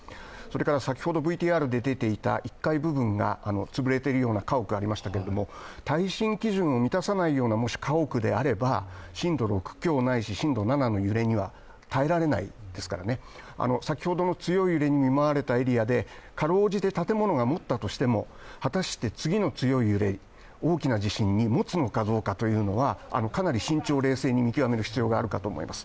先ほどＶＴＲで出ていた１階部分が潰れているような家屋がありましたけどもし耐震基準を満たさないような家屋であれば、震度６強ないし震度７の揺れには耐えられないですからね、先ほどの強い揺れに見舞われたエリアでかろうじて建物がもったとしても果たして次の強い揺れ、大きな地震にもつかどうかというのはかなり慎重、冷静に見極める必要があると思います。